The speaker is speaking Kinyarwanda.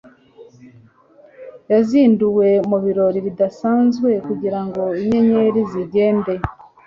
Yazinduwe mubirori bidasanzwe kugirango inyenyeri zigende